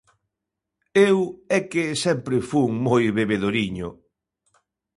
Eu é que sempre fun moi bebedoriño...